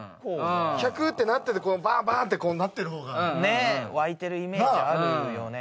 １００ってなっててこうバンバンってなってる方がねえ沸いてるイメージあるよねなあ！